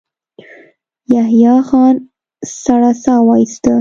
يحيی خان سړه سا وايسته.